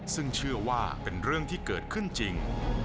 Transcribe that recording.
ซึ่งเชื่อว่าเป็นเรื่องที่เกิดขึ้นจริง